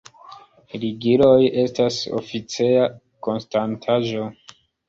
Ligiloj estas oficeja konstantaĵo.